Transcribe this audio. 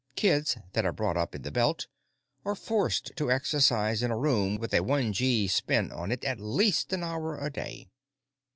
Kids that are brought up in the Belt are forced to exercise in a room with a one gee spin on it at least an hour a day.